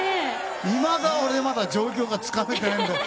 いまだ、俺まだ状況がつかめてないんだよ。